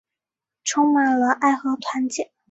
充满了爱和团结